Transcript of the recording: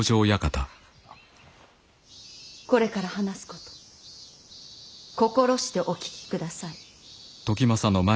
これから話すこと心してお聞きください。